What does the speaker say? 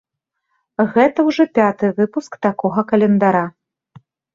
Гэта ўжо пяты выпуск такога календара.